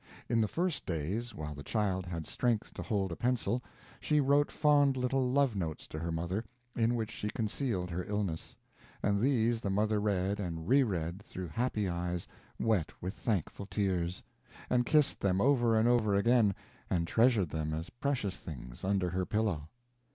In the first days, while the child had strength to hold a pencil, she wrote fond little love notes to her mother, in which she concealed her illness; and these the mother read and reread through happy eyes wet with thankful tears, and kissed them over and over again, and treasured them as precious things under her pillow.